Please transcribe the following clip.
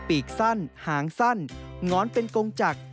ปีกสั้นหางสั้นหงอนเป็นกงจักร